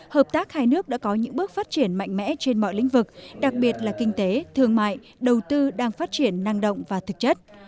hợp tác hai nước đã có những bước phát triển mạnh mẽ trên mọi lĩnh vực đặc biệt là kinh tế thương mại đầu tư đang phát triển năng động và thực chất